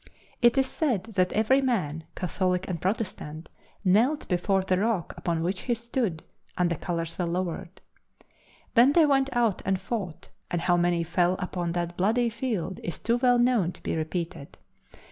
It is said that every man, Catholic and Protestant, knelt before the rock upon which he stood, and the colors were lowered. Then they went out and fought, and how many fell upon that bloody field is too well known to be repeated.